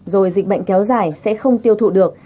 rồi dịch bệnh kéo dài sẽ không tiêu thụ được